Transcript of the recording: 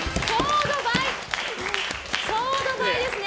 ちょうど倍ですね！